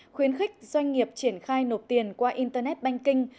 khuyến khích doanh nghiệp triển khai nộp tiền qua internet banking